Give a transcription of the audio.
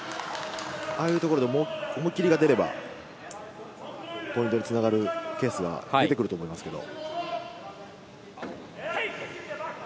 ああいうところで思い切りが出ればポイントにつながるケースは出てくると思いますけど。